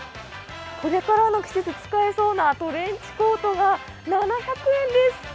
これからの季節、使えそうなトレンチコートが７００円です。